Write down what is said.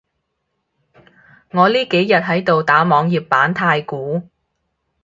我呢幾日喺度打網頁版太鼓